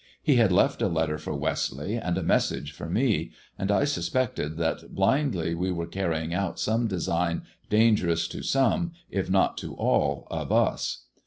He had left a letter for Westleigh, and a message for me; and I suspected that blindly we were carrying out some design dangerous to some, if not to all of us.